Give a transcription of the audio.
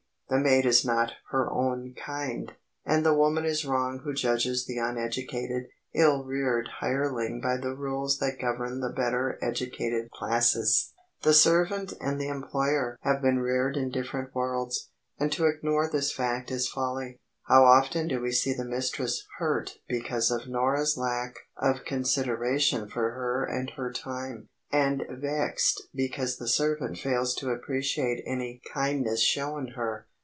The maid is not "her own kind," and the woman is wrong who judges the uneducated, ill reared hireling by the rules that govern the better educated classes. The servant and the employer have been reared in different worlds, and to ignore this fact is folly. How often do we see the mistress "hurt" because of Norah's lack of consideration for her and her time, and vexed because the servant fails to appreciate any kindness shown her?